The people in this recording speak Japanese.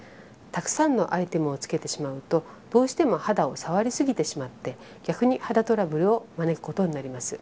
たくさんのアイテムをつけてしまうとどうしても肌を触りすぎてしまって逆に肌トラブルを招くことになります。